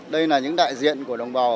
đây là những đại diện của đồng bào